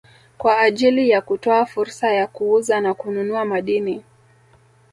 kwa ajili ya kutoa fursa ya kuuza na kununua madini